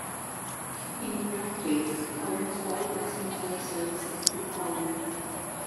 In practice, almost all passenger services do call there.